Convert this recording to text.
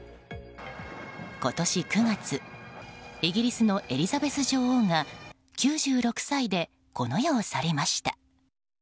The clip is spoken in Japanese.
今年９月、イギリスのエリザベス女王が９６歳でこの世を去りました。